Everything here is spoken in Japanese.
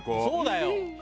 そうだよ！